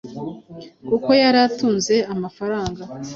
kuko yari atunze amafaranga